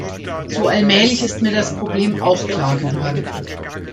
So allmählich ist mir das Problem auch klar geworden.